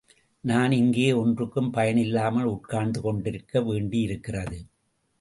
நான் இங்கே ஒன்றுக்கும் பயனில்லாமல் உட்கார்ந்து கொண்டிருக்க வேண்டியிருக்கிறது.